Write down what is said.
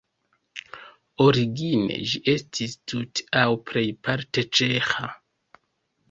Origine ĝi estis tute aŭ plejparte ĉeĥa.